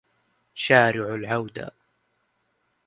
شارعُ العودة